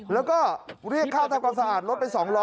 แล้วก็เรียกค่าทำความสะอาดรถไป๒๐๐